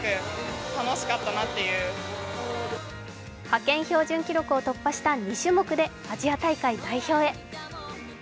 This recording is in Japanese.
派遣標準記録を突破した２種目でアジア大会代表へ。